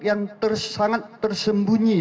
yang sangat tersembunyi